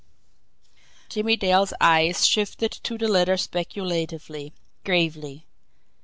Jimmie Dale's eyes shifted to the letter speculatively, gravely.